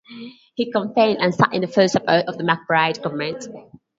He campaigned and sat in full support of the McBride government.